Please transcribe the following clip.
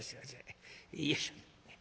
よいしょ。